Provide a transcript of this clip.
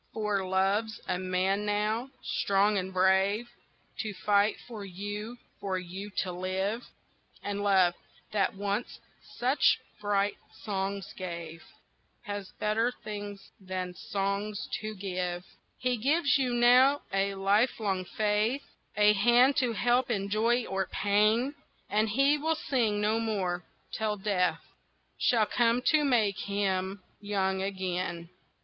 For Love's a man now, strong and brave, To fight for you, for you to live, And Love, that once such bright songs gave, Has better things than songs to give; He gives you now a lifelong faith, A hand to help in joy or pain, And he will sing no more, till Death Shall come to make him young again!